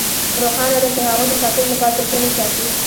روښانه ده چې هغوی د ساتلو لپاره پیسې نه ساتي